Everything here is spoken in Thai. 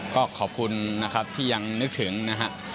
ก็ขอบคุณนะครับที่ยังนึกถึงนะฮะ